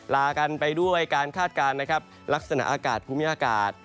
ลากันไปด้วยการคาดการณ์นะครับลักษณะอากาศภูมิอากาศ